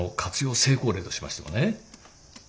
成功例としましてもね。